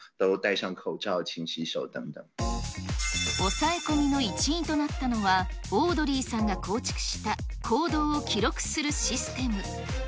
抑え込みの一因となったのは、オードリーさんが構築した行動を記録するシステム。